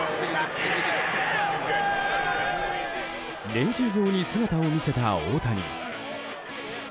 練習場に姿を見せた大谷。